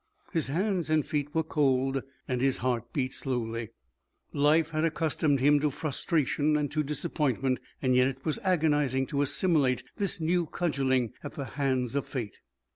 His hands and feet were cold and his heart beat slowly. Life had accustomed him to frustration and to disappointment, yet it was agonizing to assimilate this new cudgeling at the hands of fate.